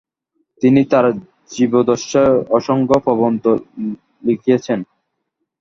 তিনি তার জীবদ্দশায়ই অসংখ্য প্রবন্ধ লিখেছেন।